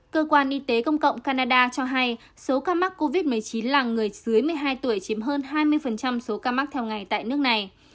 cơ quan y tế công cộng canada cho hay số ca mắc covid một mươi chín là người dưới một mươi hai tuổi chiếm hơn hai mươi số ca mắc theo ngày tại nước này